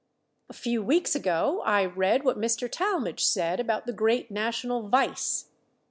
A few weeks ago I read what Mr. Talmage said about the great national vice.